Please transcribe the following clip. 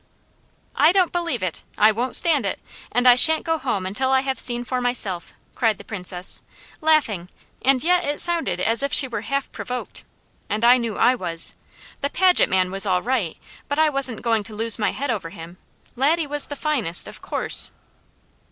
"I don't believe it, I won't stand it, and I shan't go home until I have seen for myself!" cried the Princess, laughing, and yet it sounded as if she were half provoked, and I knew I was. The Paget man was all right, but I wasn't going to lose my head over him. Laddie was the finest, of course!